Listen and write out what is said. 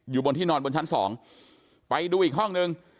บนที่นอนบนชั้นสองไปดูอีกห้องนึง